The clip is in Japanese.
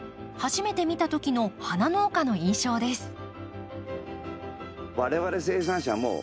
初めて見た時の花農家の印象です。